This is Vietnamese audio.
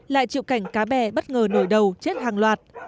lại chịu cảnh cá bè bất ngờ nổi đầu chết hàng loạt